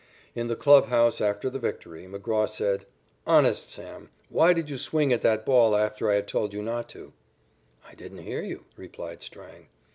In the clubhouse after the victory, McGraw said: "Honest, Sam, why did you swing at that ball after I had told you not to?" "I didn't hear you," replied Strang.